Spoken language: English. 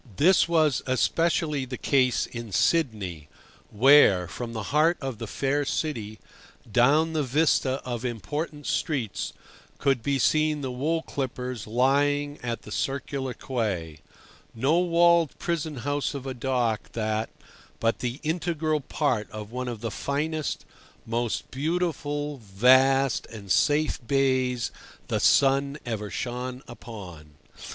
This was especially the case in Sydney, where, from the heart of the fair city, down the vista of important streets, could be seen the wool clippers lying at the Circular Quay—no walled prison house of a dock that, but the integral part of one of the finest, most beautiful, vast, and safe bays the sun ever shone upon.